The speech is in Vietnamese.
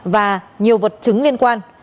và nhiều vật chứng liên quan